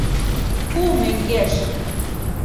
Пу мӧҥгеш!